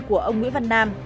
của ông nguyễn văn nam